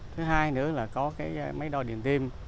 thứ hai nữa là có mấy đo điểm tiêm